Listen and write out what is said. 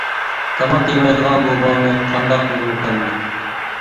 تاماق يېمەيدىغان بۇ بالىنى قانداق قىلغۇلۇق ئەمدى؟ !